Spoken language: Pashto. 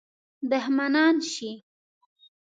دښمنان شي.